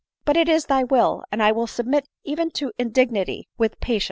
But it is thy will, and I will submit even to indignity with patience."